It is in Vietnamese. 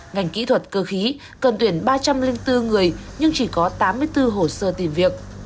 ngành kỹ thuật cơ khí cần tuyển ba trăm linh bốn người nhưng chỉ có tám mươi bốn hồ sơ tìm việc